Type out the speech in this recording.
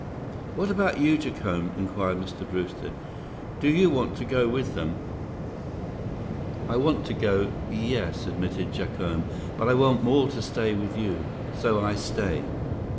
"What about you, Jacome?" inquired Mr. Brewster. "Do you want to go with them?" "I want to go, yes," admitted Jacome, "but I want more to stay with you. So I stay."